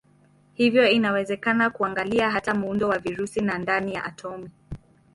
Hivyo inawezekana kuangalia hata muundo wa virusi na ndani ya atomi.